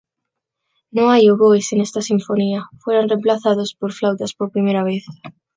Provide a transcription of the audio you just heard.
No hay oboes en esta sinfonía, fueron reemplazados por flautas por primera vez.